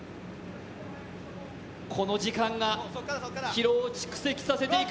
この時間が疲労を蓄積させていく。